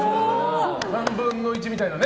何分の１みたいなね。